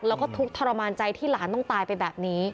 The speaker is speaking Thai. แล้วก็ทุกข์ทรมานใจที่หลานต้องตายไปแบบนี้